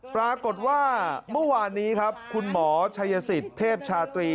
ปรากฏว่าเมื่อวานนี้ครับคุณหมอชัยสิทธิ์เทพชาตรี